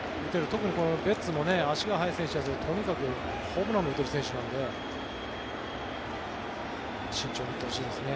特にベッツも足が速い選手ですがとにかくホームランも打てる選手なので慎重に行ってほしいですね。